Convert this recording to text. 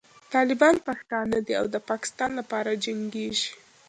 طالبان پښتانه دي او د پاکستان لپاره جنګېږي.